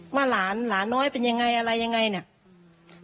ว่าหลานหลานน้อยเป็นยังไงอะไรยังไงเนี่ย